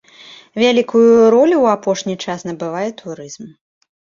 Вялікую ролю ў апошні час набывае турызм.